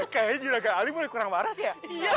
kayaknya julaga ali boleh kurang marah sih ya